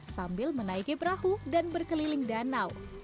sambil menaiki perahu dan berkeliling danau